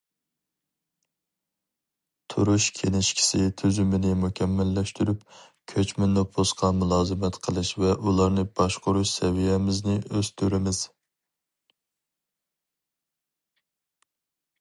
تۇرۇش كىنىشكىسى تۈزۈمىنى مۇكەممەللەشتۈرۈپ، كۆچمە نوپۇسقا مۇلازىمەت قىلىش ۋە ئۇلارنى باشقۇرۇش سەۋىيەمىزنى ئۆستۈرىمىز.